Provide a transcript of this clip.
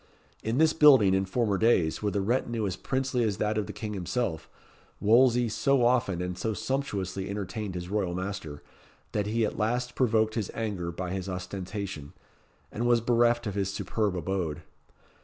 In this building, in former days, with a retinue as princely as that of the King himself, Wolsey so often and so sumptuously entertained his royal master, that he at last provoked his anger by his ostentation, and was bereft of his superb abode.